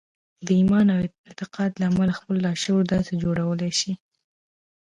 د ايمان او اعتقاد له امله خپل لاشعور داسې جوړولای شئ.